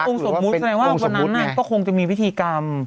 ก็คงสมมติก็คงจะมีวิธีกรรม